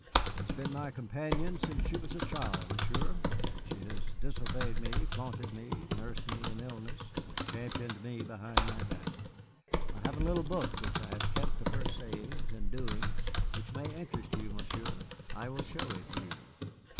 "She has been my companion since she was a child, Monsieur. She has disobeyed me, flaunted me, nursed me in illness, championed me behind my back. I have a little book which I have kept of her sayings and doings, which may interest you, Monsieur. I will show it you."